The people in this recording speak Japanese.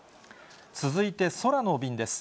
続いて空の便です。